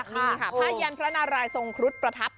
พระยันพระนารายสงครุฑประทับ